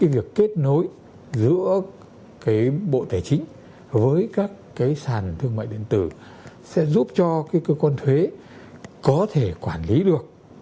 việc kết nối giữa bộ tài chính với các sàn thương mại điện tử sẽ giúp cho cơ quan thuế có thể quản lý được